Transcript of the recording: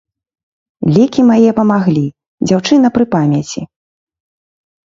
Лекі мае памаглі, дзяўчына пры памяці.